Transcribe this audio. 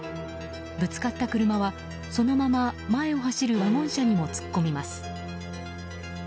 ぶつかった車はそのまま前を走るワゴン車にも突っ込みます。